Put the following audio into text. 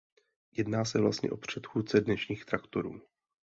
Jedná se vlastně o předchůdce dnešních traktorů.